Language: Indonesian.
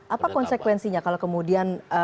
apa konsekuensinya kalau kemudian